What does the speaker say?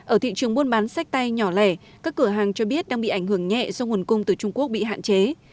ở thị trường buôn bán sách tay nhỏ lẻ các cửa hàng cho biết đang bị ảnh hưởng nhẹ do nguồn cung từ trung quốc bị hạn chế